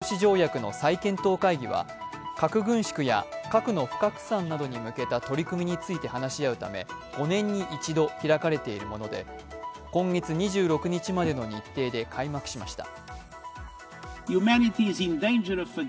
ＮＰＴ＝核拡散防止条約の再検討会議は核軍縮や核の不拡散などに向けた取り組みについて話し合うため５年に１度開かれているもので、今月２６日までの日程で開幕しました。